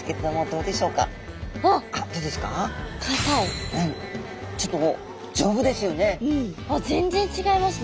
うんあ全然違いますね。